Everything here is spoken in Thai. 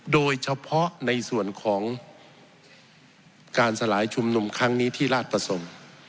โดยเฉพาะในส่วนของการสลายชุมนุมครั้งนี้ที่ราชประสงค์